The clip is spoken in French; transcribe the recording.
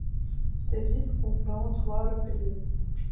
Ce disque comprend trois reprises.